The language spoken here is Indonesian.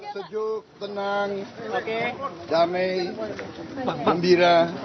sejuk tenang damai gembira